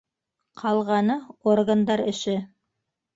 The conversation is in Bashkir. Ҡалғаны - органдар эше.